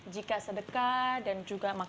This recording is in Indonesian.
jika sedekah lebar diberikan ke tempat yang lebih baik